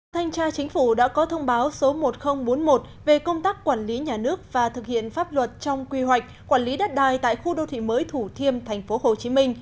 thanh tra chính phủ đã có thông báo số một nghìn bốn mươi một về công tác quản lý nhà nước và thực hiện pháp luật trong quy hoạch quản lý đất đài tại khu đô thị mới thủ thiêm tp hcm